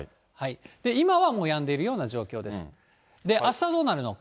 今はもうやんでいるような状況です。